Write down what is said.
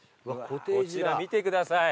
こちら見てください。